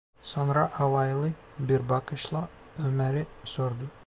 Sonra alaylı bir bakışla Ömer’e sordu: